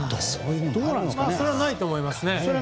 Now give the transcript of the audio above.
それはないと思いますね。